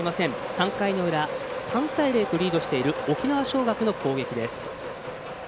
３回の裏３対０とリードしている沖縄尚学の攻撃です。